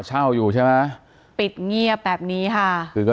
อ๋อเจ้าสีสุข่าวของสิ้นพอได้ด้วย